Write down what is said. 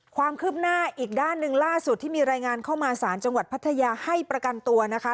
ความคืบหน้าอีกด้านหนึ่งล่าสุดที่มีรายงานเข้ามาสารจังหวัดพัทยาให้ประกันตัวนะคะ